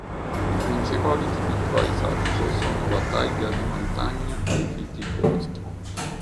I principali tipi di paesaggio sono la taiga di montagna e i fitti boschi.